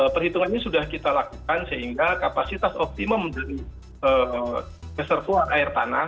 perhitungan ini sudah kita lakukan sehingga kapasitas optimum dari keserver air tanah